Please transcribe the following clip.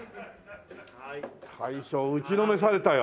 大将打ちのめされたよ。